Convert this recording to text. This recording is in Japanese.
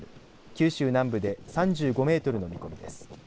九州南部で３５メートルの見込みです。